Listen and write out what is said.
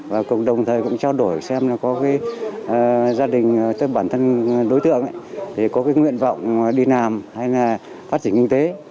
và cùng đồng thời cũng trao đổi xem là có cái gia đình tên bản thân đối tượng ấy thì có cái nguyện vọng đi làm hay là phát triển kinh tế